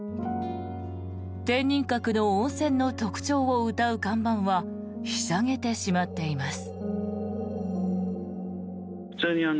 天人閣の温泉の特徴をうたう看板はひしゃげてしまっています。